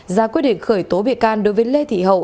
ra quyết định khởi tố bị can đối với lê thị hậu